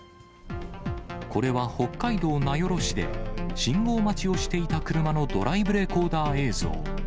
これは北海道名寄市で、信号待ちをしていた車のドライブレコーダー映像。